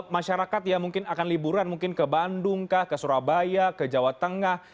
masyarakat yang mungkin akan liburan mungkin ke bandung kah ke surabaya ke jawa tengah